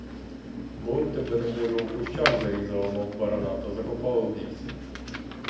Були б тебе, небоже, у кущах зарізали, мов барана, та закопали в лісі.